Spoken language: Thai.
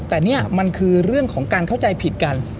แต่นี่มันคือเรื่องของการเข้าใจผิดกัน